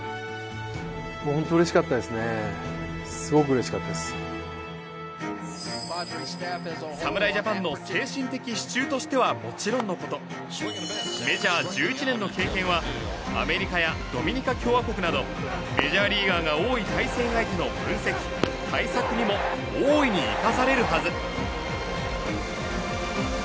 まあでも侍ジャパンの精神的支柱としてはもちろんの事メジャー１１年の経験はアメリカやドミニカ共和国などメジャーリーガーが多い対戦相手の分析対策にも大いに生かされるはず。